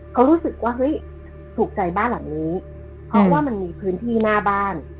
เขารู้สึกว่าเฮ้ยถูกใจบ้านหลังนี้เพราะว่ามันมีพื้นที่หน้าบ้าน